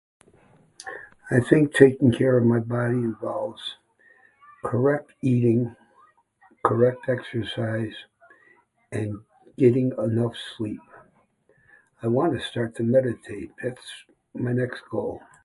I think taking care of my body involves correct eating, correct exercise, and getting enough sleep. I wanna start to meditate... that's my next goal.